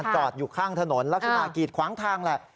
จอดอยู่ข้างถนนลักษณะกีดขวางทางแหละ